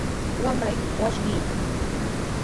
Wamraykita wasqichiyna.